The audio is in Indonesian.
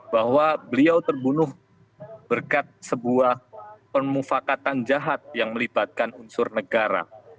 bahwa beliau terbunuh berkat sebuah pemufakatan jahat yang melibatkan unsur negara